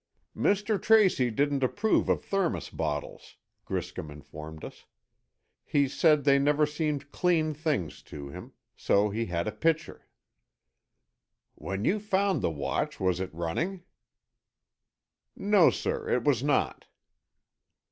"Mr. Tracy didn't approve of thermos bottles," Griscom informed us. "He said they never seemed clean things to him. So he had a pitcher." "When you found the watch, was it running?" "No, sir, it was not."